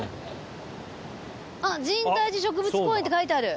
あっ神代植物公園って書いてある。